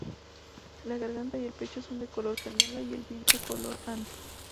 La garganta y el pecho son de color canela y el vientre color ante.